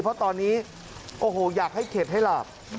เพราะตอนนี้อยากให้เข่นให้หลับ